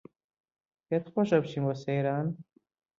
پێتخۆشە بچین بۆ سەیران